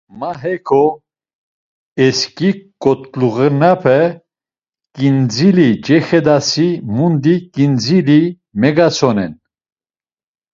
Ma heko, esǩi ǩotluğinape; ǩindzili cexedasi mundi ǩindzili megatsonen.